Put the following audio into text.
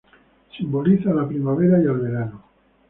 Simboliza a la primavera y al verano.